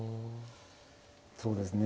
そうですね